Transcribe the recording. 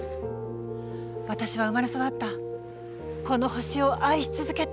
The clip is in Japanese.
私は生まれ育ったこの地球を愛し続けたい。